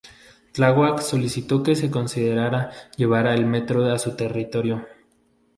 Tláhuac solicitó que se considerara llevar el metro a su territorio.